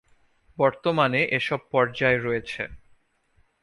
বর্তমানে এসব পর্যায় রয়েছেঃ